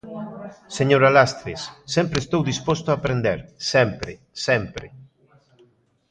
Señora Lastres, sempre estou disposto a aprender, sempre, sempre.